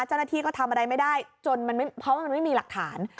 เจ้าหน้าที่ก็ทำอะไรไม่ได้จนเพราะมันไม่มีหลักฐาน